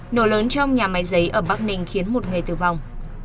nổ lớn trong nhà máy giấy ở bắc ninh khiến một người tử vong